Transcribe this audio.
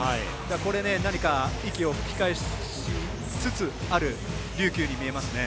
これで何か息を吹き返しつつある琉球に見えますね。